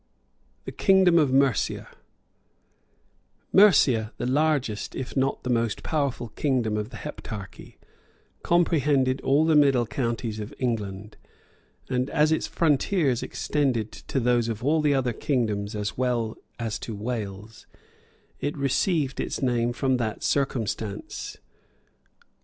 THE KINGDOM OF MERCIA Mercia, the largest, if not the most powerful, kingdom of the Heptarchy, comprehended all the middle counties of England; and as its frontiers extended to those of all the other kingdoms, as well as to Wales, it received its name from that circumstance.